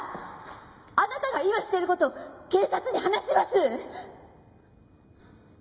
あなたが今してる事警察に話します！